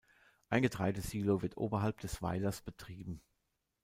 Ein Getreidesilo wird oberhalb des Weilers betrieben.